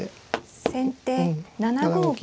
先手７五金。